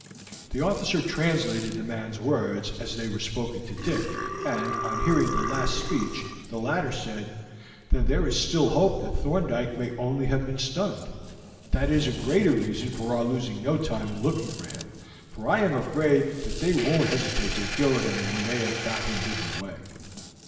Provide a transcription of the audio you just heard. The officer translated the man's words as they were spoken to Dick, and on hearing the last speech, the latter said: "Then there is still hope that Thorndyke may only have been stunned; that is a greater reason for our losing no time in looking for him, for I am afraid that they won't hesitate to kill him when they have got him hidden away."